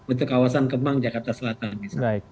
untuk kawasan kemang jakarta selatan misalnya